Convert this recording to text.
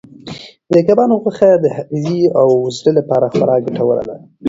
د کبانو غوښه د حافظې او زړه لپاره خورا ګټوره ده.